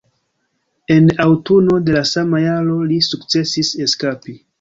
En aŭtuno de la sama jaro, li sukcesis eskapi.